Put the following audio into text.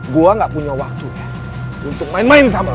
gua gak punya waktu ya untuk main main sama lo